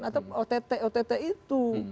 atau ott ott itu